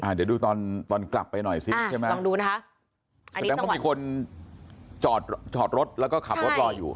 เดี๋ยวดูตอนกลับไปหน่อยซะแสดงว่าจะมีคนจอดรถแล้วขับรถรออยู่